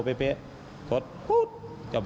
นี่แหละตรงนี้แหละ